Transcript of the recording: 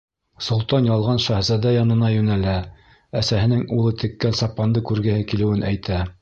Солтан ялған шаһзадә янына йүнәлә, әсәһенең улы теккән сапанды күргеһе килеүен әйтә.